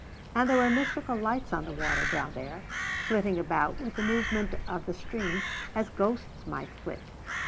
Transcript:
And there were mystical lights on the water down there, flitting about with the movement of the stream as ghosts might flit.